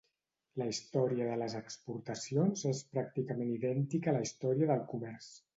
La història de les exportacions és pràcticament idèntica a la història del comerç.